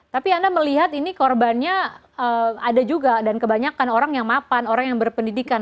tapi anda melihat ini korbannya ada juga dan kebanyakan orang yang mapan orang yang berpendidikan